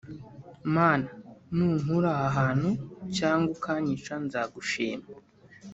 Mana nunkura aha hantu cyangwa ukanyica nzagushima